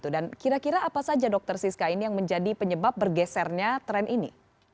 dan kira kira apa saja dr siska ini yang menjadi penyebab bergesernya tren ini